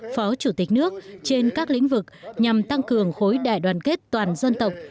phó chủ tịch nước trên các lĩnh vực nhằm tăng cường khối đại đoàn kết toàn dân tộc